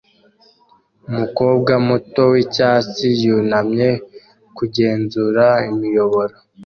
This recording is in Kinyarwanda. Umukobwa muto wicyatsi yunamye kugenzura imiyoboro